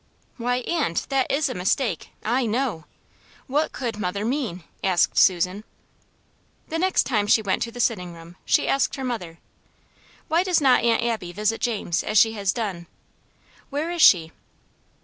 "Why, aunt, that is a mistake, I KNOW. What could mother mean?" asked Susan. The next time she went to the sitting room she asked her mother, "Why does not Aunt Abby visit James as she has done? Where is she?"